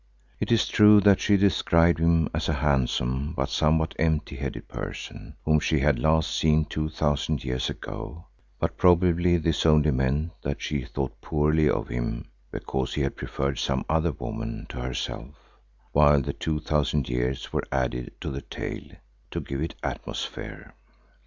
It is true that she described him as a handsome but somewhat empty headed person whom she had last seen two thousand years ago, but probably this only meant that she thought poorly of him because he had preferred some other woman to herself, while the two thousand years were added to the tale to give it atmosphere.